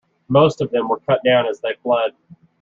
Most of them were cut down as they fled.